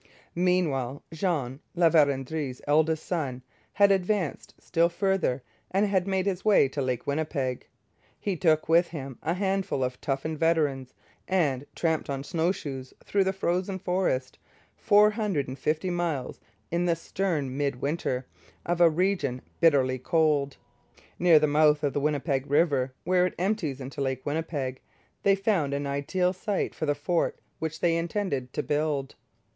Meanwhile Jean, La Vérendrye's eldest son, had advanced still farther and had made his way to Lake Winnipeg. He took with him a handful of toughened veterans, and tramped on snow shoes through the frozen forest four hundred and fifty miles in the stern midwinter of a region bitterly cold. Near the mouth of the Winnipeg river, where it empties into Lake Winnipeg, they found an ideal site for the fort which they intended to build.